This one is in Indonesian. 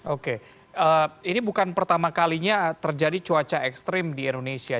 oke ini bukan pertama kalinya terjadi cuaca ekstrim di indonesia